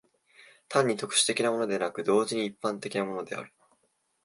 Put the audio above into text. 単に特殊的なものでなく、同時に一般的なものである。